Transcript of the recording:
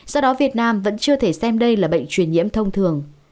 do đó việt nam vẫn chưa thể xem đây là bệnh truyền nhiễm thông thường